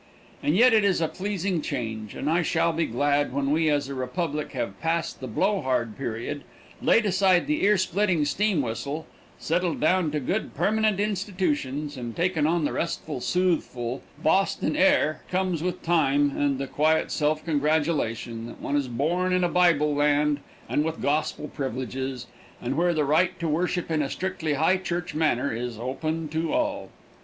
And yet it is a pleasing change, and I shall be glad when we as a republic have passed the blow hard period, laid aside the ear splitting steam whistle, settled down to good, permanent institutions, and taken on the restful, sootheful, Boston air which comes with time and the quiet self congratulation that one is born in a Bible land and with Gospel privileges, and where the right to worship in a strictly high church manner is open to all.